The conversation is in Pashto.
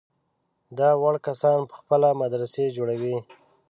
دا وړ کسان په خپله مدرسې جوړوي.